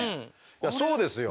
いやそうですよ。